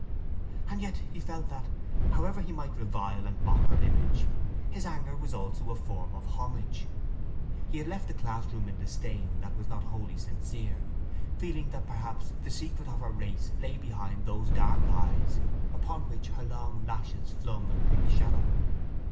And yet he felt that, however he might revile and mock her image, his anger was also a form of homage. He had left the classroom in disdain that was not wholly sincere, feeling that perhaps the secret of her race lay behind those dark eyes upon which her long lashes flung a quick shadow.